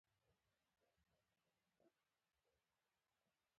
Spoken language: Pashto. انرژي سپم کړئ.